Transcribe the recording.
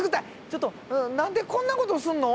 ちょっと何でこんなことすんの？